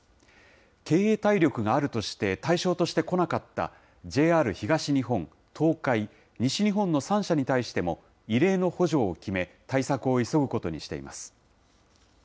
経営体力があるとして対象としてこなかったＪＲ東日本、東海、西日本の３社に対しても、異例の補助を決め、対策を急ぐことにしています。